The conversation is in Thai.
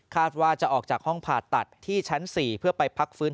ว่าจะออกจากห้องผ่าตัดที่ชั้น๔เพื่อไปพักฟื้น